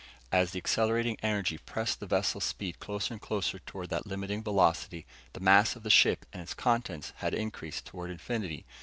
As the accelerating energy pressed the vessel's speed closer and closer toward that limiting velocity, the mass of the ship and of its contents had increased toward infinity.